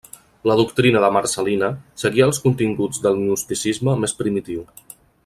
La doctrina de Marcel·lina seguia els continguts del gnosticisme més primitiu.